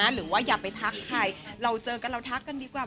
หรือว่าอย่าไปทักใครเราเจอกันเราทักกันดีกว่า